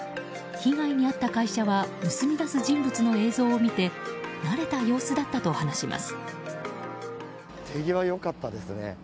被害に遭った会社は盗み出す人物の映像を見て慣れた様子だったと話します。